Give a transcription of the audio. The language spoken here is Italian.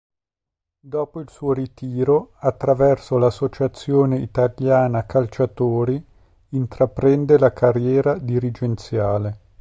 Dopo il suo ritiro, attraverso l'Associazione Italiana Calciatori, intraprende la carriera dirigenziale.